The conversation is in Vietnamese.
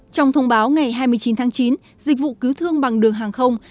trong thông báo ngày hai mươi chín tháng chín dịch vụ cứu thương bằng đường hàng không